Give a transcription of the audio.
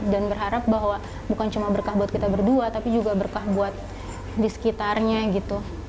dan berharap bahwa bukan cuma berkah buat kita berdua tapi juga berkah buat di sekitarnya gitu